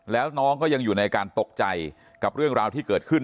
แล้วน้องก็ยังอยู่ในการตกใจกับเรื่องราวที่เกิดขึ้น